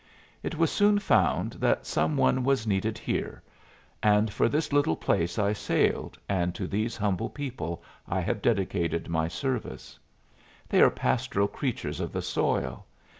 It was soon found that some one was needed here, and for this little place I sailed, and to these humble people I have dedicated my service. They are pastoral creatures of the soil.